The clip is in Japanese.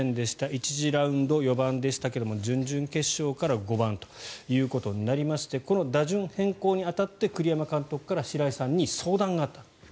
１次ラウンド、４番でしたが準々決勝から５番ということになりましてこの打順変更に当たって栗山監督から白井さんに相談があった。